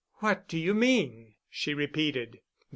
"What do you mean?" she repeated.